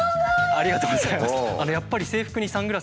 ありがとうございます。